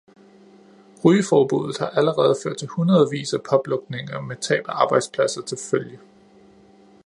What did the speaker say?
Rygeforbuddet har allerede ført til hundredvis af publukninger med tab af arbejdspladser til følge.